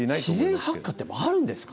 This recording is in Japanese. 自然発火ってあるんですか？